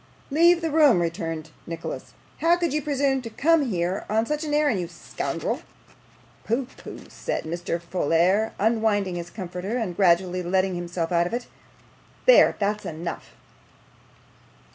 'Leave the room,' returned Nicholas. 'How could you presume to come here on such an errand, you scoundrel?' 'Pooh! pooh!' said Mr. Folair, unwinding his comforter, and gradually getting himself out of it. 'There that's enough.